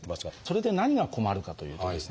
それで何が困るかというとですね